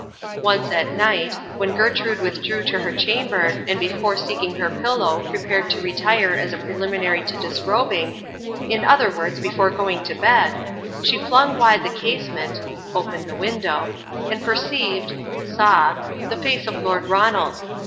Once at night, when Gertrude withdrew to her chamber and before seeking her pillow, prepared to retire as a preliminary to disrobing—in other words, before going to bed, she flung wide the casement (opened the window) and perceived (saw) the face of Lord Ronald.